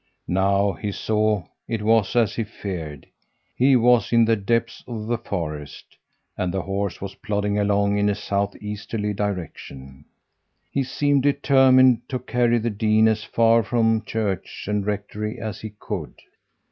Now he saw it was as he had feared he was in the depths of the forest, and the horse was plodding along in a south easterly direction. He seemed determined to carry the dean as far from church and rectory as he could.